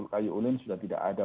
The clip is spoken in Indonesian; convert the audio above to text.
kayu unin sudah tidak ada